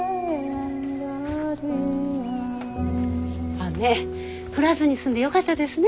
雨降らずに済んでよかったですね。